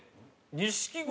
錦鯉。